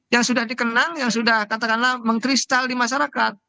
yang sudah dikenal yang sudah katakanlah mengkristal di masyarakat